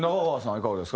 いかがですか？